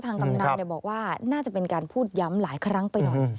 กำนันบอกว่าน่าจะเป็นการพูดย้ำหลายครั้งไปหน่อย